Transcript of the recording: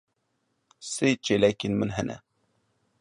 Sê çêlekên min hene.